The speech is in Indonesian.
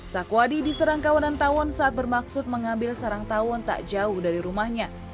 sakwadi diserang kawanan tawon saat bermaksud mengambil sarang tawon tak jauh dari rumahnya